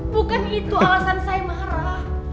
bukan itu alasan saya marah